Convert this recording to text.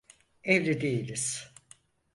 Evli değiliz.